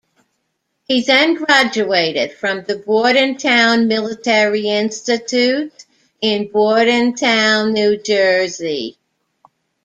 He then graduated from the Bordentown Military Institute in Bordentown, New Jersey.